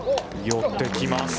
寄ってきます。